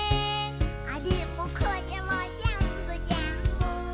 「あれもこれもぜんぶぜんぶ」